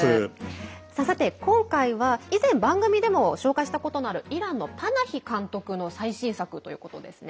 さて、今回は以前番組でも紹介したことのあるイランのパナヒ監督の最新作ということですね。